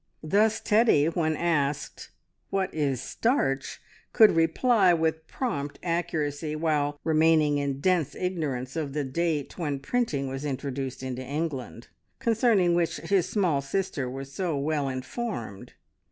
Thus Teddy, when asked "What is starch?" could reply with prompt accuracy, while remaining in dense ignorance of the date when printing was introduced into England, concerning which his small sister was so well informed.